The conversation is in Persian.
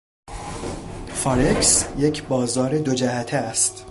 فارکس یک بازار دو جهته است